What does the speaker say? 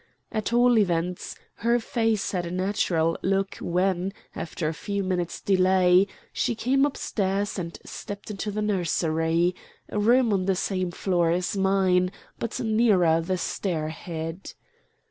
At all events, her face had a natural look when, after a few minutes' delay, she came upstairs and stepped into the nursery a room on the same floor as mine, but nearer the stair head.